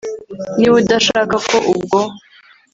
niba udashaka ko ubwo